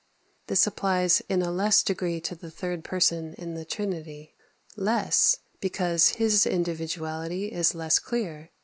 This applies in a less degree to the third Person in the Trinity; less, because His individuality is less clear.